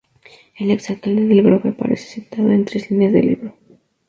El exalcalde de El Grove aparece citado en tres líneas del libro.